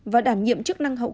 và đảm nhiệm chức năng hậu